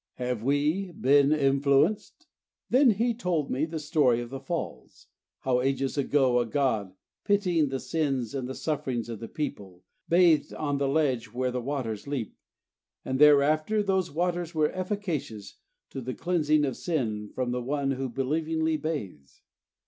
"Have we been influenced?" Then he told me the story of the Falls, how ages ago a god, pitying the sins and the sufferings of the people, bathed on the ledge where the waters leap, and thereafter those waters were efficacious to the cleansing of sin from the one who believingly bathes.